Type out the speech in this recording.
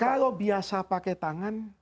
kalau biasa pakai tangan